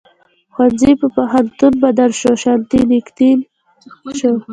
ښوونځي په پوهنتون بدل شو او شانتي نیکیتن شو.